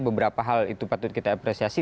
beberapa hal itu patut kita apresiasi